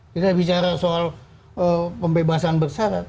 kita bicara soal pembebasan bersyarat